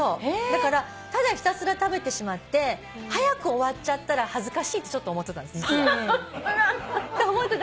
だからただひたすら食べてしまって早く終わっちゃったら恥ずかしいってちょっと思ってたんです実は。って思ってたんだけど。